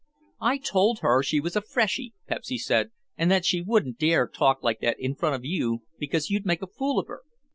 "I told her she was a freshy," Pepsy said, "and that she wouldn't dare talk like that in front of you because you'd make a fool of her."